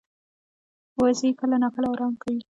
وزې کله ناکله آرام کوي